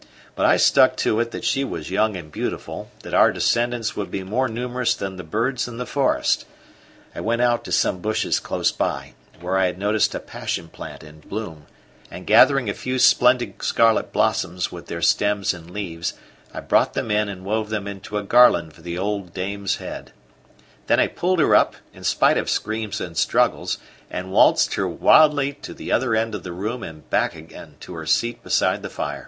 But I stuck to it that she was young and beautiful, that our descendants would be more numerous than the birds in the forest. I went out to some bushes close by, where I had noticed a passion plant in bloom, and gathering a few splendid scarlet blossoms with their stems and leaves, I brought them in and wove them into a garland for the old dame's head; then I pulled her up, in spite of screams and struggles, and waltzed her wildly to the other end of the room and back again to her seat beside the fire.